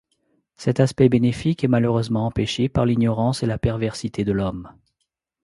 Cet aspect bénéfique est malheureusement empêché par l'ignorance et la perversité de l'homme.